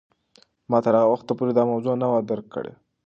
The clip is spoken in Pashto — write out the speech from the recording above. ما تر هغه وخته پورې دا موضوع نه وه درک کړې.